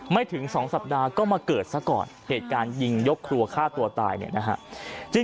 ถึง๒สัปดาห์ก็มาเกิดซะก่อนเหตุการณ์ยิงยกครัวฆ่าตัวตายเนี่ยนะฮะ